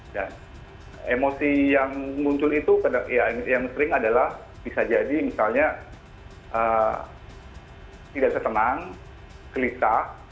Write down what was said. dan emosi yang muncul itu yang sering adalah bisa jadi misalnya tidak ketenang kelita